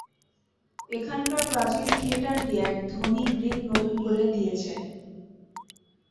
এখানকার প্রাচীন থিয়েটারটি এক ধনী গ্রীক নূতন করে দিয়েছে।